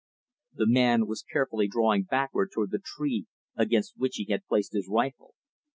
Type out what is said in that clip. The man was carefully drawing backward toward the tree against which he had placed his rifle.